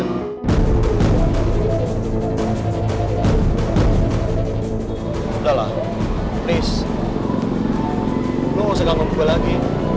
lelah please lu sekarang mau lagi